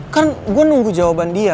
kan gue nunggu jawaban dia